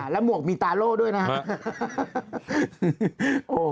แล้วมวกมีตาโล่ด้วยนะฮะ